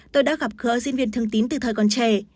tôi đã gặp khứa diễn viên thương tín từ thời còn trẻ